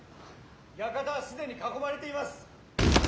館は既に囲まれています！